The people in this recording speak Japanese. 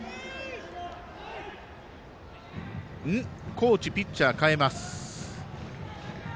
高知、ピッチャー代えます。